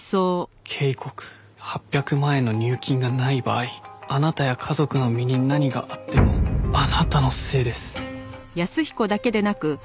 「警告８００万円の入金がない場合あなたや家族の身に何があってもあなたのせいです」